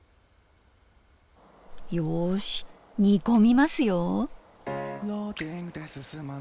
よし煮込みますよ。